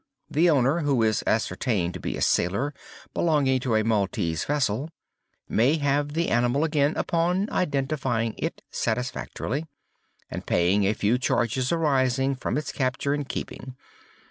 The owner (who is ascertained to be a sailor, belonging to a Maltese vessel) may have the animal again, upon identifying it satisfactorily, and paying a few charges arising from its capture and keeping.